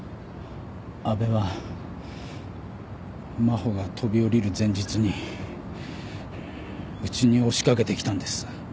阿部は真帆が飛び降りる前日にうちに押し掛けてきたんです。